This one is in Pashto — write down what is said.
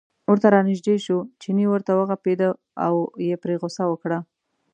ورته را نژدې شو، چیني ورته و غپېده او یې پرې غوسه وکړه.